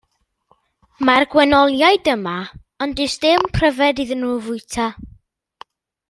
Mae'r gwenoliaid yma, ond does dim pryfed iddyn nhw fwyta.